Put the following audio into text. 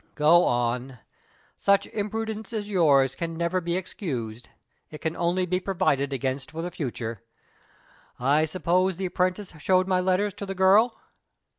"Go on. Such imprudence as yours can never be excused; it can only be provided against for the future. I suppose the apprentice showed my letters to the girl?"